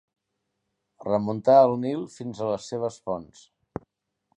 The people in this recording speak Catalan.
Remuntar el Nil fins a les seves fonts.